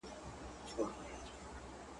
له آمو تر اباسینه وطن بولي.